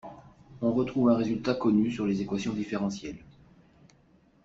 On retrouve un résultat connu sur les équations différentielles.